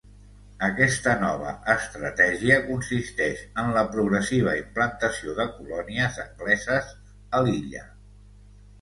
Aquesta nova estratègia consisteix en la progressiva implantació de colònies angleses a l'illa.